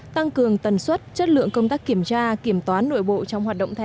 tăng cường tần suất chất lượng công tác kiểm tra kiểm toán nội bộ trong hoạt động thẻ